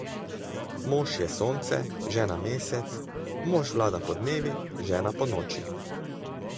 Mož je Sonce, žena Mesec, mož vlada podnevi, žena ponoči.